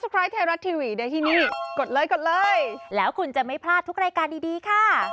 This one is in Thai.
ประมาณนี้คุณพูดไม่ได้อีก